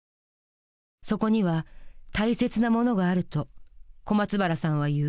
そこには大切なものがあると小松原さんは言う。